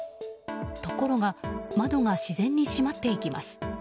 ところが、窓が自然に閉まっていきます。